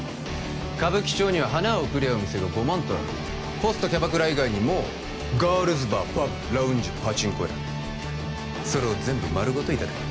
歌舞伎町には花を贈り合う店がごまんとあるホストキャバクラ以外にもガールズバーパブラウンジパチンコ屋それを全部丸ごといただく